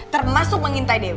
termasuk mengintai dewi